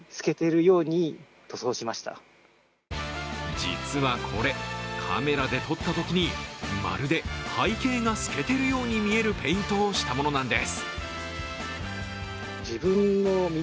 実はこれ、カメラで撮ったときにまるで背景が透けているように見えるペイントをしたものなんです。